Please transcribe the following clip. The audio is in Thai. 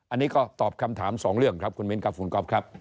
อันนี้ก็ตอบคำถาม๒เรื่องครับคุณเมนท์กับฑูนก๊อบครับ